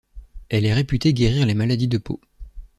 Elle est réputée guérir les maladies de peau.